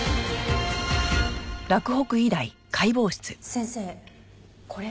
先生これは？